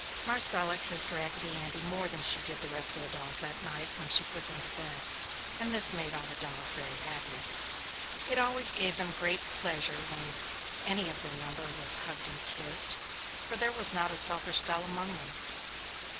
Marcella kissed Raggedy Andy more than she did the rest of the dolls that night, when she put them to bed, and this made all the dolls very happy. It always gave them great pleasure when any of their number was hugged and kissed, for there was not a selfish doll among them.